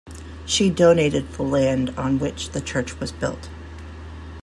She donated the land on which the church was built.